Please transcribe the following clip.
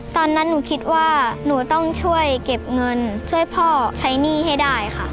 ตอนนั้นหนูคิดว่าหนูต้องช่วยเก็บเงินช่วยพ่อใช้หนี้ให้ได้ค่ะ